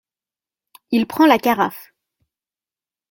Il prend la carafe.